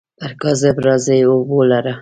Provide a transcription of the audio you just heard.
پر کاذب راځي اوبو لره.